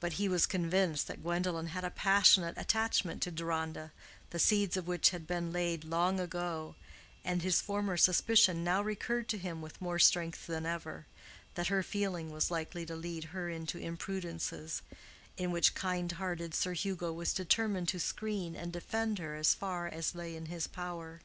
But he was convinced that Gwendolen had a passionate attachment to Deronda, the seeds of which had been laid long ago, and his former suspicion now recurred to him with more strength than ever, that her feeling was likely to lead her into imprudences—in which kind hearted Sir Hugo was determined to screen and defend her as far as lay in his power.